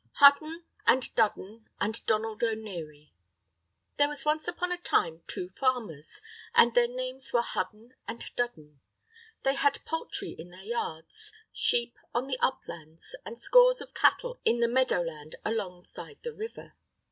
Hudden and Dudden and Donald O'Neary There was once upon a time two farmers, and their names were Hudden and Dudden. They had poultry in their yards, sheep on the uplands, and scores of cattle in the meadow land alongside the river.